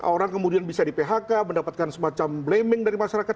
orang kemudian bisa di phk mendapatkan semacam blaming dari masyarakat